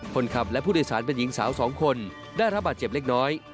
คนขับและผู้โดยสารเป็นหญิงสาว๒คนได้รับบาดเจ็บเล็กน้อย